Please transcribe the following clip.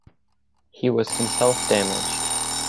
He was himself damaged.